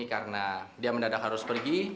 karena dia mendadak harus pergi